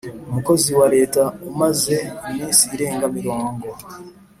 Umukozi Wa Leta Umaze Iminsi Irenga Mirongo